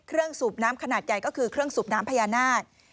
สูบน้ำขนาดใหญ่ก็คือเครื่องสูบน้ำพญานาค